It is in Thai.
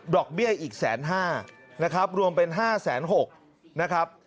เบี้ยอีก๑๕๐๐นะครับรวมเป็น๕๖๐๐นะครับ